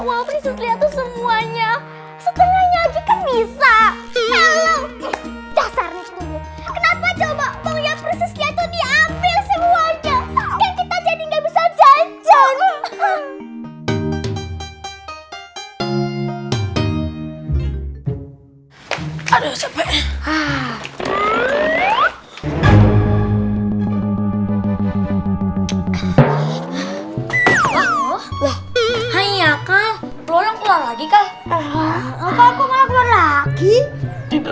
wafi setelah itu semuanya setengahnya juga bisa kalau dasarnya kenapa coba mengambil semuanya